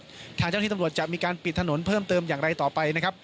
ทางเจ้าที่ตำรวจจะมีการปิดถนนเพิ่มเติมอย่างไรต่อไปนะครับ